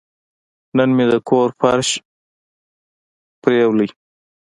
نن مې د کور فرش ووینځه.